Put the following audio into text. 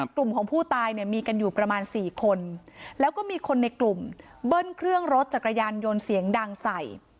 กลุ่มของผู้ตายเนี่ยมีกันอยู่ประมาณ๔คนแล้วก็มีคนในกลุ่มเบิ้ลเครื่องรถจักรยานยนต์เสียงดังใส่